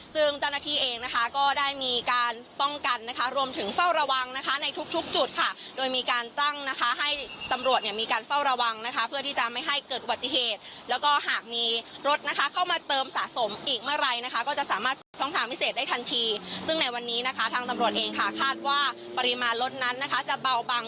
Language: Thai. ซึ่งเจ้าหน้าที่เองนะคะก็ได้มีการป้องกันนะคะรวมถึงเฝ้าระวังนะคะในทุกทุกจุดค่ะโดยมีการตั้งนะคะให้ตำรวจเนี่ยมีการเฝ้าระวังนะคะเพื่อที่จะไม่ให้เกิดอุบัติเหตุแล้วก็หากมีรถนะคะเข้ามาเติมสะสมอีกเมื่อไหร่นะคะก็จะสามารถเปิดช่องทางพิเศษได้ทันทีซึ่งในวันนี้นะคะทางตำรวจเองค่ะคาดว่าปริมาณรถนั้นนะคะจะเบาบาง